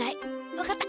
分かった。